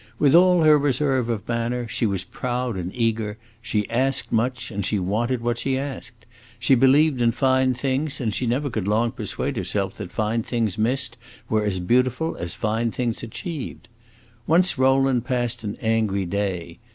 With all her reserve of manner she was proud and eager; she asked much and she wanted what she asked; she believed in fine things and she never could long persuade herself that fine things missed were as beautiful as fine things achieved. Once Rowland passed an angry day.